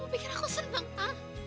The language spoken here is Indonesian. kamu pikir aku seneng ah